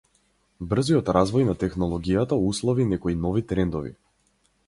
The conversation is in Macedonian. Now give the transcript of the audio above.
Брзиот развој на технологијата услови некои нови трендови.